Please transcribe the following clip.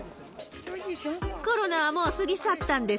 コロナはもう過ぎ去ったんです。